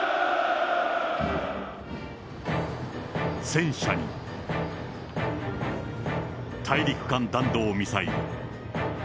戦車に、大陸間弾道ミサイル。